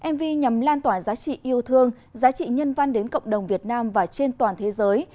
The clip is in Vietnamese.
mv nhằm lan tỏa giá trị yêu thương giá trị nhân văn đến cộng đồng việt nam và trên toàn thế giới